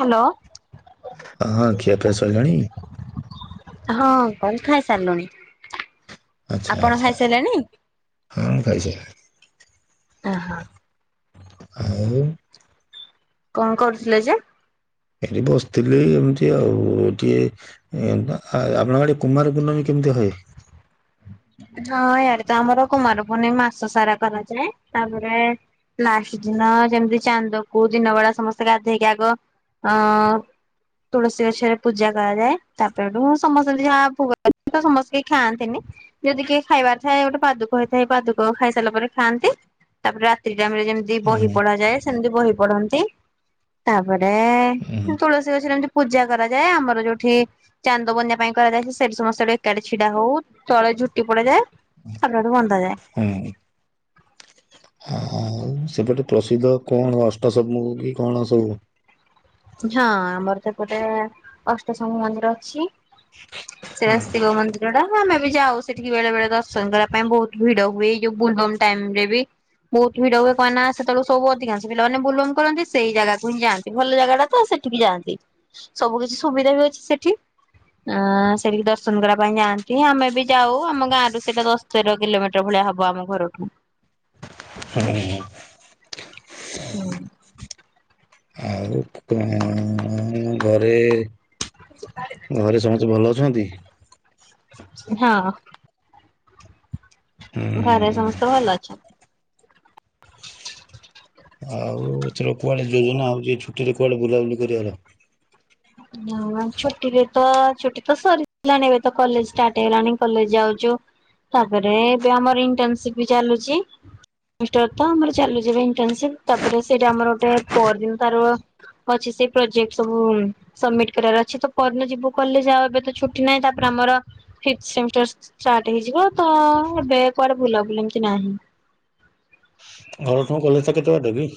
Hello. ହଁ, ଖିଆପିଆ ସଇଲାଣି। ହଁ ଖାଇ ସାରିଲୁଣି। ଆଚ୍ଛା ଆପଣ ଆଚ୍ଛା ଖାଇ ସାରିଲେଣି ହଁ ଖାଇସାରିଲିଣି। ହଁ, ହଁ। ଆଉ କଣ କରୁଥିଲେ ଯେ? ଏଠି ବସିଥିଲି ଏମିତି ଆଉ ଏଇଠି। ଆପଣଙ୍କ ଆଡ଼େ କୁମାର ପୂଣ୍ଣମୀ କେମିତି ହୁଏ। ହଁ, ଇଆଡ଼େ ତ ଆମର କୁମାର ପୂର୍ଣ୍ଣିମ ମାସ ସାରା କରାଯାଏ ତାପରେ। ଲାଷ୍ଟ୍ ଦିନ ଯେମିତି ଚାନ୍ଦକୁ ଦିନ ବେଳା ସମସ୍ତେ ଗାଧେଇକି ଆଗ ଅଁ ତୁଳସୀ ଗଛରେ ପୂଜା କରାଯାଏ ତାପରେ ଏଠୁ ସମସ୍ତେ ଯାହା ଭୋଗ ସମସ୍ତେ କେହି ଖାଆନ୍ତିନି। ଯଦି କିଏ ଖାଇବାର ଥାଏ ଗୋଟେ ପାଦୁକ ହେଇଥାଏ ପାଦୁକ ଖାଇସାରିଲା ପରେ ଖାଆନ୍ତି। ତାପରେ ରାତି ଟା ଆମେ ଯେମିତି ବହି ହୁଁ ପଢାଯାଏ ସେମିତି ବହି ପଢ଼ନ୍ତି। ତାପରେ ହୁଁ ତୁଳସୀ ଗଛରେ ଏମତି ପୂଜା କରାଯାଏ ଆମର ଯୋଉଠି ଚାନ୍ଦ ବନ୍ୟା ପାଇଁ କହାଯାଏ ସେଠି ସମସ୍ତେ ଏକାଠି ଛିଡା ହଉ ତଳେ ଝୁ ଝୋଟି ପଡ଼ାଯାଏ ତାପରେ ଏଠି ବନ୍ଦା ଯାଏ। ହୁଁ। ହୁଁ ଆଉ ସେପଟେ ପ୍ରସିଦ୍ଧ କଣ ଅଷ୍ଟସବୁ କି କଣ ସବୁ। ହଁ ଆମର ଏପଟେ ଅଷ୍ଟସମ୍ଭୁ ମନ୍ଦିର ଅଛି। ସେଟା ହୁଁ ଶିବ ମନ୍ଦିର ଟା। ଆମେ ବି ଯାଉ ସେଠିକି ବେଳେ ବେଳେ ଦର୍ଶନ କରିବା ପାଇଁ ବହୁତ୍ ଭିଡ ହୁଏ ଯୋଉ ବୋଲ ବୋମ ଟାଇମ୍‌ରେ ବି ବହୁତ୍ ଭିଡ଼ ହୁଏ କଣ ନା ସେତେବେଳ ସବୁ ଅଧିକାଂଶ ପିଲାମାନେ ବୋଲ୍ ବୋମ କରନ୍ତି ସେଇ ଜାଗାକୁ ହିଁ ଯାଆନ୍ତି ଭଲ ଜାଗା ଟା ହଁ ସେଠିକି ଯାଆନ୍ତି ସବୁ କିଛି ସୁବିଧା ବି ଅଛି ସେଠି। ଆଁ ସେଠି ଦର୍ଶନ କରିବା ପାଇଁ ଯାଆନ୍ତି ଆମେ ବି ଯାଉ ଆମ ଗାଁ ର ସେଇଟା ଦଶ୍ ତେର କିଲୋମିଟର ଭଳିଆ ହବ ଆମ ଘରଠୁ। ହୁଁ ହୁଁ। ହୁଁ। ଆଉ କଁ ଅଁ ଘରେ ଘରେ ସମସ୍ତେ ଭଲ ଅଛନ୍ତି? ହଁ। ଘରେ ହୁଁ ସମସ୍ତେ ଭଲ ଅଛନ୍ତି। କୋଉଥୁଲ କୁଆଡ଼େ ଯୋଜନା ହୋଉଚି ଛୁଟିରେ କୁଆଡ଼େ ବୁଲାବୁଲି କରିବାର। ହଁ ଛୁଟିରେ ତ ଛୁଟି ତ ସରିିଲାଣି ଏବେ ତ କଲେଜ୍ ଷ୍ଟାର୍ଟ ହେଇଗଲାଣି କଲେଜ୍ ଯାଉଚୁ। ତାପରେ ଏବେ ଆମର ଇଣ୍ଟନସିପ୍ ବି ଚାଲୁଚି। ମିଷ୍ଟର୍ ତ ଆମର ଚାଲିଯିବେ ଇଣ୍ଟନ୍‌ସିପ ତାପରେ ସେଇଟା ଆମର ଗୋଟେ ପରି ତାର ଅଛି ସେଇ ପ୍ରୋଜେକ୍ଟ୍ ସବୁ ଉଁ ସମିଟ୍ କରିବାର ଅଛି ତ ପରଦିନ ଯିବୁ କଲେଜ୍ ଆଉ ଏବେ ତ ଛୁଟି ନାହିଁ ତାପରେ ଆମର ଫିଇପଥ୍ ସେମିଷ୍ଟର ଷ୍ଟାର୍ଟ ହେଇଯିବ ତ ଏବେ କୁଆଡ଼େ ବୁଲାବୁଲି ଏମତି ନାହିଁ। ଘରୁ ତମ କଲେଜ୍ ଟା କେତେ ବାଟ କି?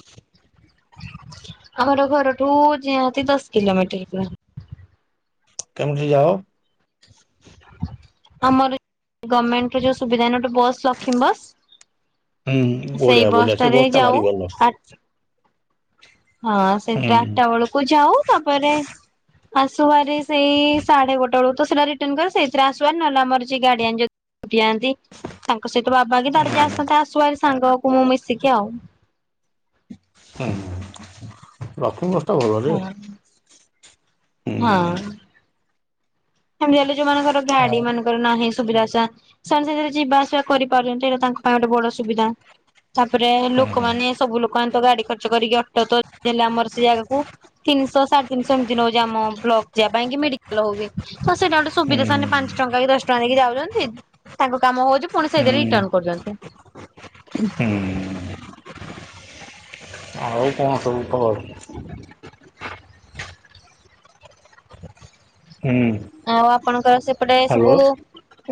ଆମର ଘରଠୁ ଯେହାତି ଦଶ କିଲୋମିଟର୍ ପୁଆ। କେମିତି ଯାଅ? ଆମର ଗମେଣ୍ଟ୍ ର ଯୋଉ ସୁବିଧା ଏଇନା ଓଟେ ବସ୍‌ ଲକ୍ଷୀମ୍ ବସ୍‌ ହୁଁ ସେଇ ବଢିଆ ବଢିଆ ବସ୍‌ ସେ ଟାରେ ବସ୍ ଟା ଭାରି ଯାଉ ଭଲ ଆ ହଁ ହୁଁ ସେଇଥିରେ ଆଟା ବେଳୁକୁ ଯାଉ ତାପରେ ଆସୁବାରି ସେଇ ସାଢ଼େ ଗୋଟେ ବେଳୁ ତ ସେଟା ରିଟର୍ନ କରୁ ସେଇଥିରେ ଆସୁବାରି ନହେଲେ ଆମର ଯିଏ ଗାର୍ଡିଆନ୍ ଯ ଉଠିଯାଆନ୍ତି ତାଙ୍କ ସହିତ ବାବା କି ତାର ଯିଏ ଆସିନ୍ତି ଆସୁ ବାରି ସାଙ୍ଗକୁ ମୁଁ ମିଶିକି ଆଉ। ହୁଁ, ରଖୁ ବସ୍‌ ଟା ଭଲ ଯେ। ହଁ ହୁଁ ହଁ। ସେମିତି ହେଲେ ଯୋଉମାନଙ୍କର ଗାଡ଼ି ଆଉ ମାନ ଅଳେ ନାହିଁ ସୁବିଧା ସା ସେମାନେ ସେଇଥିରେ ଯିବାଆସିବା କରିପାରୁଛନ୍ତି ଏଇଟା ତାଙ୍କ ପାଇଁ ଗୋଟେ ବଡ଼ ସୁବିଧା। ତାପରେ ହୁଁ ଲୋକମାନେ ସବୁ ଲୋକମାନେ ତ ଗାଡି ଖର୍ଚ୍ଚ କରିକି ଅଟୋ ତ ଦେଲେ ଆମର ସେ ଜାଗାକୁ। ତିନଶ ସାଡ଼େ ତିନିଶ ଏମତି ନଉଚି ଆମ ବ୍ଲକ୍ ଯିବା ପାଇଁ କି ମେଡି଼କାଲ୍ ହଉ ବି। ତ ସେଇଟା ଗୋଟେ ସୁବିଧା ହୁଁ ସେମାନେ ପାଞ୍ଚଟଙ୍କା କି ଦଶଟଙ୍କା ଦେଇକି ଯାଉଚନ୍ତି ତାଙ୍କ କାମ ହୋଉଚି। ପୁଣି ହୁଁ ସେଇଥିରେ ରିଟର୍ନ କରୁଚନ୍ତି। ହୁଁ ହୁଁ। ଆଉ କଣ ସବୁ ଖବର? ହୁଁ। ଆଉ ଆପଣଙ୍କର ସେପଟେ ହ୍ୟାଲୋ ସବୁ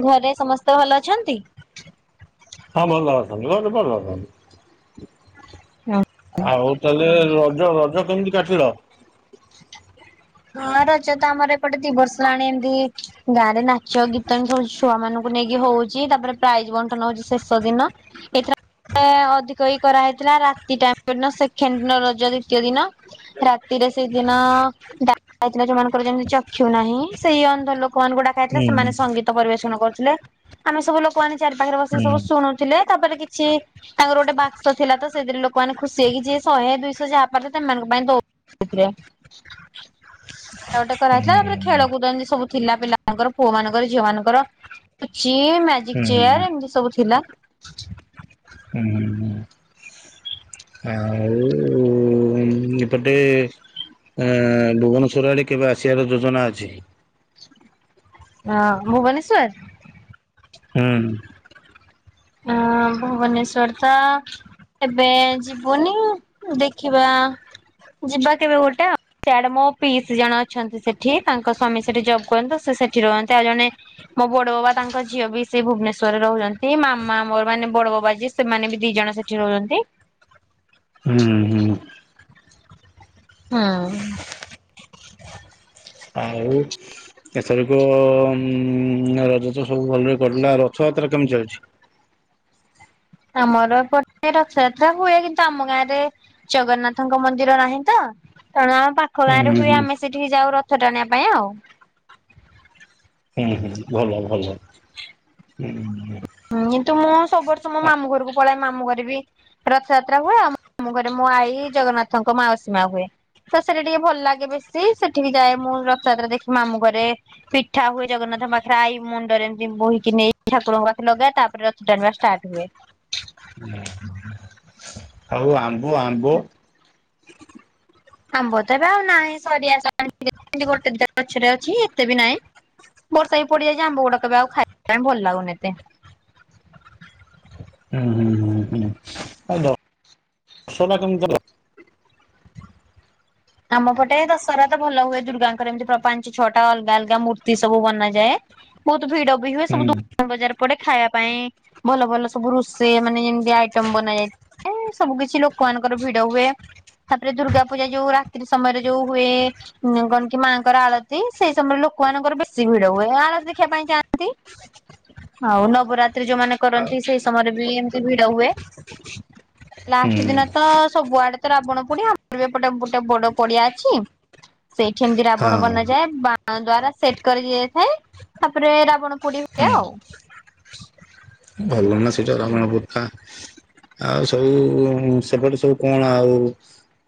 ଘରେ ସମସ୍ତେ ଭଲ ଅଛନ୍ତି? ହଁ ଭଲ ଅଛନ୍ତି ଭଲ ଭଲ ଅଛନ୍ତି। ଉଁ ଆଉ ତାଲେ ରଜ ରଜ କେମିତି କାଟିଲ? ହଁ ରଜ ତ ଆମର ଏପଟେ ଦି ବର୍ଷ ହେଲାଣି ଏମତି ଗାଁରେ ନାଚ ଗୀତ ଏମତି ସବୁ ଛୁଆମାନୁଙ୍କୁ ନେଇକି ହଉଚି ତାପରେ ପ୍ରାଇଜ୍ ବଣ୍ଟନ ହୋଉଚି ଶେଷ ଦିନ। ଏଇ ଥର ଆ ଅଧିକ କି କରାହେଇଥିଲା ରାତିଟା ଉନ ସେଖେଣ୍ଡ୍ ଦିନ ରଜ ଦ୍ଵିତୀୟ ଦିନ। ଯାଇଁ ଆତିରେ ସେଇଦିନ ଡା ଆଇଥିଲା ଯୋଉମାନଙ୍କର ଯେମିତି ଚକ୍ଷୁ ନାହିଁ ସେଇ ଅନ୍ଧ ଲୋ କଆନୁଙ୍କୁ ଡାକାହେଇଥିଲା ହୁଁ ସେମାନେ ସଙ୍ଗୀତ ପରିବେଷଣ କରୁଥୁଲେ ଆମେ ସବୁ ଲୋକମାନେ ଚାରିପାଖରେ ବସି ହୁଁ ସବୁ ଶୁଣୁ ଥିଲେ ତାପରେ କିଛି ତାଙ୍କର ଗୋଟେ ବାକ୍ସ ଥିଲା ତ ସେଥିରେ ଲୋକମାନେ ଖୁସି ହେଇକି ଯିଏ ଶହେ ଦୁଇଶ ଯାହା ପାରଲେ ତେମାନଙ୍କ ପାଇଁ ଦୋଉ ଉ ପୁରା ଟା ଗୋଟେ କରାହେଇଥିଲା ଆପରେ ଖେଳ କୁଦ ଏନ୍ତି ସବୁ ଥିଲା ପିଲାମାନଙ୍କର ପୁଅମାନଙ୍କର ଝିଅମାନଙ୍କର। ପୁଚି ମ୍ୟାଜିକ୍ ହୁଁ ହୁଁ ଚେୟାର୍ ଏମତି ସବୁ ଥିଲା। ହୁଁ। ଆଉ ଉ ଏପଟେ ଆ ଭୁବନେଶ୍ୱର ଆଡେ କେବେ ଆସିବାର ଯୋଜନା ଅଛି? ହଁ ଭୁବନେଶ୍ଵର? ହୁଁ। ଆଁ ଭୁବନେଶ୍ଵର ତ ଏବେ ଯିବୁନି ଦେଖିବା ଯିବା କେବେ ଗୋଟେ ଆଉ। ସିଆଡ଼େ ମୋ ପିଇସି ଜଣେ ଅଛନ୍ତି ସେଠି ତାଙ୍କ ସ୍ୱାମୀ ସେଠି ଜବ୍ କରନ୍ତି ସେ ସେଠି ରହନ୍ତି ଆଉ ଜଣେ ମୋ ବଡ଼ ବୋବା ତାଙ୍କ ଝିଅ ବି ସେ ଭୁବନେଶ୍ୱରରେ ରହୁଛନ୍ତି ମା ମା ମୋର ମାନେ ବଡ଼ ବୋବା ଯିଏ ସେମାନେ ବି ଦି ଜଣ ସେଠି ରହୁଛନ୍ତି। ହୁଁ ହୁଁ। ହୁଁ। ଆଉ ଏଥରକ ଉଁ ରଜ ତ ସବୁ ଭଲରେ କଟିଲା ଆଉ ରଥଯାତ୍ରା କେମିତି ଚାଲିଛି? ଆମର ଏ ପଟେ ରଥଯାତ୍ରା ହୁଏ କିନ୍ତୁ ଆମ ଗାଁରେ ଜଗନ୍ନାଥଙ୍କ ମନ୍ଦିର ନାହିଁ ତ ତେଣୁ ଆମ ପାଖ ହୁଁ ଗାଁରେ ହୁଁ ହୁଏ ହୁଁ ଆମେ ସେଠିକି ଯାଉ ରଥ ଟାଣିବା ପାଇଁ ଆଉ। ହୁଁ ହୁଁ ଭଲ ଭଲ ହୁଁ। କିନ୍ତୁ ମୁଁ ସବୁ ବର୍ଷ ମୋ ମାମୁଁ ଘରକୁ ପଳାଏ ମାମୁଁ ଘରେ ବି ରଥଯାତ୍ରା ହୁଏ ଆଉ ମାମୁଁ ଘରେ ମୋ ଆଈ ଜଗନ୍ନାଥଙ୍କ ମାଉସୀ ମା ହୁଏ। ତ ସେଠା ଟିକେ ଭଲ ଲାଗେ ବେଶୀ ସେଠି ବି ଯାଏ ମୁଁ ରଥଯାତ୍ରା ଦେଖି ମାମୁଁ ଘରେ ପିଠା ହୁଏ ଜଗନ୍ନାଥଙ୍କ ପାଖରେ ଆଈ ମୁଣ୍ଡରେ ଏମିତି ବୋହିକି ନିଏ ଠାକୁରଙ୍କ ପା ଲଗା ତାପରେ ରଥ ଟାଣିବା ଷ୍ଟାର୍ଟ ହୁଏ। ଉଁ ହୁଁ ଆଉ ଆମ୍ବ ଆମ୍ବ। ଆମ୍ବ ତ ଏବେ ଆଉ ନାହିଁ ସରି ଆସିଲାଣି ଗୋଟେ ଦିଟା ଗଛରେ ଅଛି ଏତେ ବି ନାହିଁ। ବର୍ଷା ବି ପଡିଯାଇଛି ଆମ୍ବ ଗୁଡାକ ଏବେ ଆଉ ଖାଇବା ପାଇଁ ଭଲ ଲାଗୁନି ଏତେ। ହୁଁ ହୁଁ ହୁଁ। ଆ ଦ ଶଟା କେମିତି ଦେଲ? ଆମ ପଟେ ଦଶହରା ତ ଭଲ ହୁଏ ଦୁର୍ଗାଙ୍କର ଏମିତି ପ୍ର ପାଞ୍ଚ ଛଅଟା ଅଲଗା ଅଲଗା ମୂର୍ତ୍ତି ସବୁ ବନାଯାଏ। ବହୁତ ଭିଡ ବି ହୁଏ ହୁଁ ସବୁ ଦୋକାନ ବଜାର ପଟେ ଖାଇବା ପାଇଁ ଭଲ ଭଲ ସବୁ ରୋଷେଇ ମାନେ ଯେମିତି ଆଇଟମ ବନା ଯାଇ ଏ ସବୁ କିଛି ଲୋକମାନଙ୍କର ଭିଡ ହୁଏ ତାପରେ ଦୁର୍ଗା ପୂଜା ଯୋଉ ରା ସେ ସମୟରେ ଯୋଉ ହୁଏ ଉଁ କଣ କି ମାଆଙ୍କର ଆଳତୀ ସେଇ ସମୟରେ ଲୋକମାନଙ୍କର ବେଶୀ ଭିଡ ହୁଏ ଆଳତୀ ଦେଖିବା ପାଇଁ ଯାଆନ୍ତି। ଆଉ ନବରାତ୍ରୀ ଯୋଉମାନେ ଆଉ କରନ୍ତି ସେଇ ସମୟରେ ବି ଏମିତି ଭିଡ ହୁଏ। ହୁଁ ଲାଷ୍ଟ ଦିନ ତ ସବୁଆଡେ ତ ରାବଣ ପୁଡି ଆମର ବି ଏପଟେ ବୁ ଗୋଟେ ବଡ଼ ପଡିଆ ଅଛି ସେଇଠି ଏମିତି ରାବଣ ହଁ ବନାଯାଏ ବା ଣ ଦ୍ଵାରା ସେଟ୍ କରି ଇଏ ହୁଏ ତାପରେ ରାବଣ ପୁଡି ହୁଏ ହୁଁ ଆଉ। ଭଲ ନା ସେଇଟା ରାବଣ ପୁରୁଖା। ଆଉ ସବୁ ସେପଟେ ସବୁ କଣ ଆଉ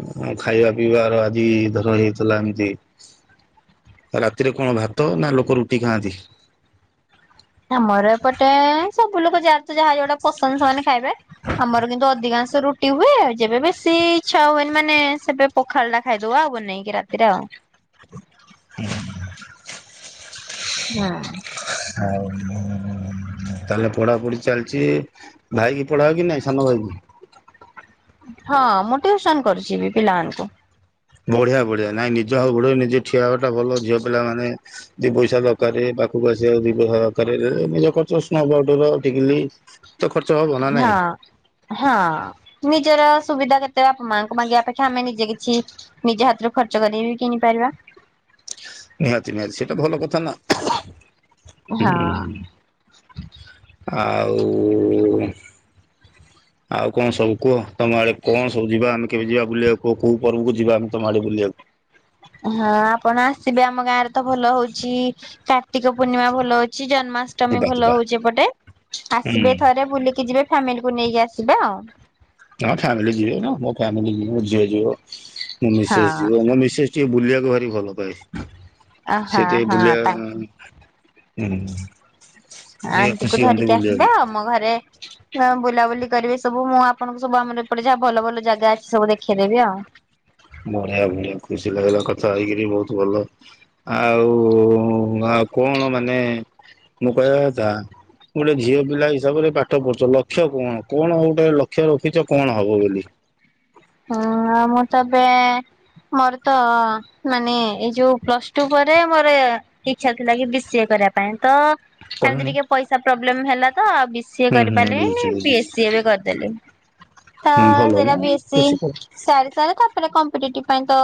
ଉଁ ଖାଇବା ପିଇବା ହେରା ଆଜି ଧର ହେଇଥିଲା ଏମତି ରାତିରେ କଣ ଭାତ ନା ଲୋକ ରୁଟି ଖାଆନ୍ତି? ଆମର ଏପଟେ ସବୁ ଲୋକ ଯା ତ ଯାହା ଯୋଉଟା ପସନ୍ଦ ସେମାନେ ଖାଇବେ। ଆମର କିନ୍ତୁ ଅଧିକାଂଶ ରୁଟି ହୁଏ ଯେବେ ବେଶୀ ଇଚ୍ଛା ହୁଏନି ମାନେ ସେବେ ପଖାଳ ଟା ଖାଇଦୋଉ ଆଉ ବନେଇକି ରାତିରେ ଆଉ। ହୁଁ। ଆଉ ତାହେଲେ ପଢା ପଢି ଚାଲିଛି ଭାଇ କିି ପଢାଅ କି ନାଇଁ ସାନ ଭାଇ କି? ହଁ ମୁଁ ଟ୍ୟୁଉସନ କରୁଛି ବି ପିଲାମାନଙ୍କୁ। ବଢିଆ ବଢିଆ ନାଇଁ ନିଜ ଗୋଡ ନିଜେ ଠିଆ ହେବାଟା ଭଲ ଝିଅ ପିଲାମାନେ ଦି ପଇସା ଦରକାରେ ପାଖକୁ ଆସିବା ଦି ପଇସା ଦରକାରେ ଏ ନିଜ ଖର୍ଚ୍ଚ ସ୍ନୋ, ପାଉଡର, ଟିକିଲି ଦେଇ ତ ଖ ହଁ ହଁ ନିଜର ସୁବିଧା କେ ତେ ବାପ ମାଆଙ୍କୁ ମାଗିବାପେକ୍ଷା ଆମେ ନିଜେ କିଛି ନିଜ ହାତରୁ ଖର୍ଚ କରିକି ବି କିଣିପାରିବା। ନିହାତି ନିହାତି ସେଇଟା ଭଲ କଥା ନା ହଁ। [unintelligible] ଆଉ। ଆଉ କଣ ସବୁ କୁହ ତମ ଆଡେ କଣ ସବୁ ଯିବା ଆମେ କେବେ ଯିବା ବୁଲିବାକୁ କୋ କୋଉ ପର୍ବକୁ ଯିବାଆମେ ତମ ଆଡେ ବୁଲିବାକୁୁ। ହଁ ଆପଣ ଆସିବେ ଆମ ଗାଁରେ ତ ଭଲ ହଉଛି କାର୍ତ୍ତିକ ପୂର୍ଣ୍ଣିମା ଭଲ ହଉଛି ଜ ଜନ୍ମାଷ୍ଟମୀ ଯିବା ଭଲ ଯିବା ହଉଛି ଏପଟେ ହୁଁ ଆସିବେ ଥରେ ବୁଲିକି ଯିବେ ଫ୍ୟାମିଲିକୁୁ ନେଇକି ଆସିବେ ଆଉ। ହଁ ଫାମିଲି ଯିବେ ମୋ ମୋ ଫାମିଲ ଯିବ ମୋ ଝିଅ ଯିବ ମୋ ମିସେସ ହଁ ଯିବ ମୋ ମିସେସ ଟିଏ ବୁଲିବାକୁ ଭାରି ଭଲ ପାଏ ହଁ ସେ ଟିକେ ହଁ ତା ବୁଲିବା ହୁଁ। ଟିକେ ଆଣ୍ଟି କୁ ଖୁସି ହୁଅନ୍ତି ଧରିକି ଆସିବେ ବୁଲିବାକୁ ଆଉ ଆମ ଘରେ ହଁ ବୁଲାବୁଲି କରିବେ ସବୁ ମୁଁ ଆପଣଙ୍କୁ ସବୁ ଆମର ଏପଟେ ଯାହା ଭଲ ଭଲ ଜାଗା ଅଛି ସବୁ ଦେଖେଇଦେବି ଆଉ। ବଢିଆ ବଢିଆ ଖୁସି ଲାଗିଲା କଥା ହେଇକିରି ବହୁତ ଭଲ ଆଉ ଆଉ କଣ ମାନେ ମୁଁ କହିବାକଥା। ଗୋଟେ ଝିଅ ପିଲା ହିସାବରେ ପାଠ ପଢୁଛ ଲକ୍ଷ୍ୟ କଣ କଣ ଗୋଟେ ଲକ୍ଷ୍ୟ ରଖିଛ କଣ ହବ ବୋଲି? ହୁଁ ମୁଁ ତ ଏବେ ମୋର ତ ମାନେ ଏଇ ଯୋଉ ପ୍ଲସ ଟୁ ପରେ ମୋର ଏ ଇଛା ଥିଲା କି ବି ସିଏ କରିବା ପାଇଁ ତ ଏମିତି କହୁନି ଟିକେ ପଇସା ପ୍ରୋବ୍ଲେମ ହେଲା ତ ଆଉ ବି ସିଏ ହୁଁ କରି ହୁଁ ବୁଝୁଛି ପାରିଲିନି ବି ଏସ୍ ସି ବି କରିଦେଲି। ତ ହୁଁ ଭଲ ସେଇଟା ନା। ବି ଏସ୍ ସି ଖୁସି କର। [unintelligible] କମ୍ପିଟି ପାଇଁ ତ।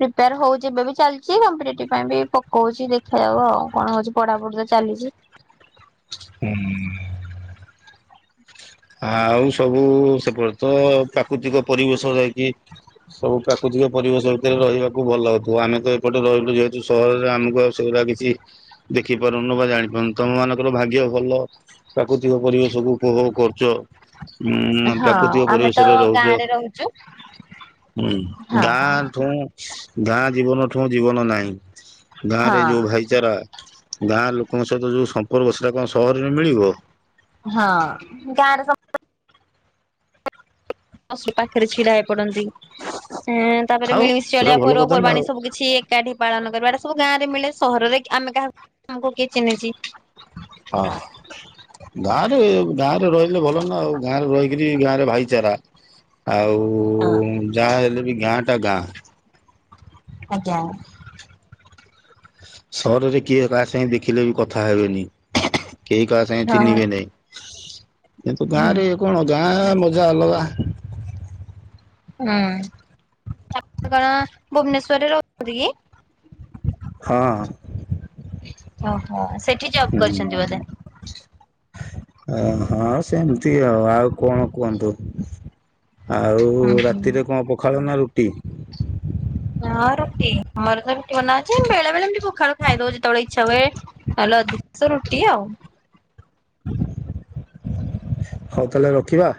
ପ୍ରିପେୟାର ହଉଛି ଏବେ ବି ଚାଲିଛି କମ୍ପିେଟିଭ ପାଇଁ ବି ପକଉଛି ଦେଖାଯାଉ ଆଉ କଣ ହଉଛି ପଢାପଢି ତ ଚାଲିଛି। ହୁଁ ଆଉ ସବୁ ସେପଟ ତ ପ୍ରାକୃତିକ ପରିବେଶ ଯାଇକି ସବୁ ପ୍ରାକୃତିକ ପରିବେଶ ଭିତରେ ରହିବାକୁ ଭଲ ହଉଥିବ ଆମେ ତ ଏପଟେ ରହିଲୁ ଯେହେତୁ ସହରରେ ଆମକୁ ଆ ସେଉରା କିଛି ଦେଖି ପାରୁନୁ ବା ଜାଣି ପାରୁନୁ ତମ ମାନଙ୍କର ଭାଗ୍ୟ ଭଲ ପ୍ରାକୃତିକ ପରିବେଶ କୁ ଉପଭୋଗ କରୁ ଚ ଉଁ ହଁ ପ୍ରାକୃତିକ ଆମେ ତ ପରିବେଶରେ ରହୁଛ ଗାଁ ରେ ରହୁଛୁ ହୁଁ ହଁ ଗାଁ ଠୁଁ ଗାଁ ଜୀବନ ଠୁ ଜୀବନ ନାହିଁ ଗାଁ ରେ ହଁ ଯୋଉ ଭାଇ ବିଚାରା ଗାଁ ଲୋକଙ୍କ ସହିତ ଯୋଉ ସମ୍ପର୍କ ସେଟା କଣ ସହରରେ ମିଳିବ ହଁ ଗାଁରେ ସବୁ ଅ ସି ପାଖରେ ଛିଡା ହେଇ ପଡନ୍ତିଁ ତାପରେ ଏ ତାପରେ ଆଉ ମିଳିମିଶି ସେଟା ଅଳିଆ ଭଲ କଥା ନା ପର୍ବପର୍ବାଣୀ ଆଉ। ସବୁ କିଛି ଛି ଏକାଠି ପାଳନ କରିବା ଏଟା ସବୁ ଗାଁରେ ମିଳେ ସହରରେ କି ଆମେ କାହାକୁମକୁ କିଏ ଚିହ୍ନିଛି ହଁ ଗାଁରେ ଗାଁରେ ରହିଲେ ଭଲ ନା ଆଉ ଗାଁରେ ରହି ରି ଗାଁରେ ଭାଇଚାରା ଆଉ ଯାହା ହେଲେ ବି ଗାଁ ଟା ଗାଁ ଆଜ୍ଞା ସହରରେ କିଏ କାହା ସାଙ୍ଗେ ଦେଖିଲେ ବି କଥା ହେବେନି କେହି କାହା ସାଙ୍ଗେ ଚିହ୍ନିବେ ନେହିଁ ଏନ୍ତୁ ଗାଁ ରେ କଣ ଗାଁ ମଜା ଅଲଗା ହୁଁ ଆପଣ କଣ ଭୁବନେସ୍ଵରରେ ରହୁଛନ୍ତି କି ହଁ ଓହୋ ସେ ହୁଁ ଅ ହଁ ସେମିତି ଆଉ ଆଉ କଣ କୁହନ୍ତୁ ଆଉ ହୁଁ ହୁଁ। ରାତିରେ କଣ ପଖାଳ ନା ରୁଟି? ହଁ ରୁଟି ଆମର ତ ରୁଟି ବନା ଅଛି ବେଳେବେଳେଏ ମୀତି ପଖାଳ ଖାଇଦଉ ଯେତେବେଳେ ଇଛା ହୁଏ ହଲ ଅଧିକଶ ରୁଟି ଆଉ ହଉ ତାହେଲେ ରଖିବା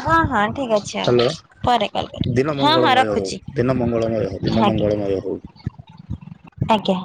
ହଁ ହଁ ଠିକ ଅଛି ହ୍ୟାଲୋ ଆ ପରେ କଲ କରି ଦିନ ହଁ ହଁ ମଙ୍ଗଳମୟ ହଉ ରଖୁଛି ଦିନ ମଙ୍ଗଳମୟ ହଉ ଦିନ ହାଜ୍ଞା ମଙ୍ଗଳମୟ ହଉ। ଆଜ୍ଞା।